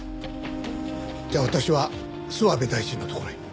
じゃあ私は諏訪部大臣のところへ。